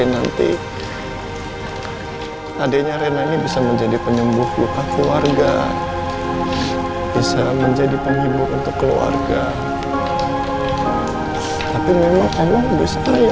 edstad tarratti bilang segera menguatkan sejarah italia